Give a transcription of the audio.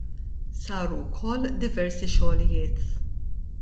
Saru wkoll diversi xogħlijiet.